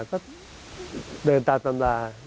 ก็เดินตามตำรา